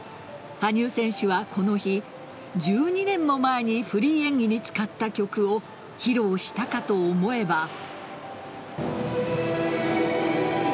羽生選手はこの日１２年も前にフリー演技に使った曲を披露したかと思えば。